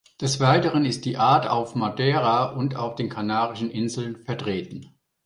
Des Weiteren ist die Art auf Madeira und auf den Kanarischen Inseln vertreten.